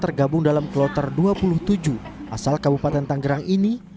tergabung dalam kloter dua puluh tujuh asal kabupaten tanggerang ini